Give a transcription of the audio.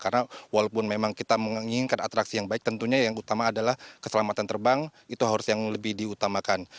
karena walaupun memang kita menginginkan atrasi yang baik tentunya yang utama adalah keselamatan terbang itu harus yang lebih diutamakan